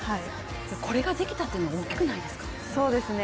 これができたというのは大きくないですか？